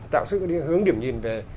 tạo sức hướng điểm nhìn về